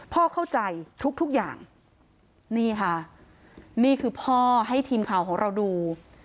พ่อเข้าใจทุกทุกอย่างนี่ค่ะนี่คือพ่อให้ทีมข่าวของเราดู